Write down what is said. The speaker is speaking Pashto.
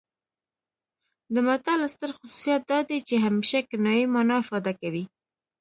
د متل ستر خصوصیت دا دی چې همیشه کنايي مانا افاده کوي